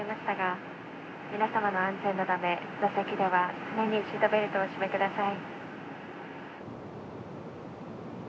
皆様の安全のため座席では常にシートベルトをお締めください。